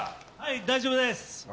大丈夫です。